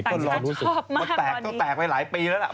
ตั้งทำชอบมากต่อนี้ตั้งพลาดพอได้ชอบก็ร้อนรู้สึกแตกต้องแตกไปหลายปีละล่ะ